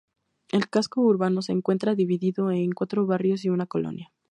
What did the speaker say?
El casco urbano se encuentra dividido en cuatro barrios y una Colonia.